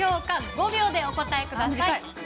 ５秒でお答えください！